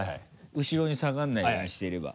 後ろに下がらないようにしてれば。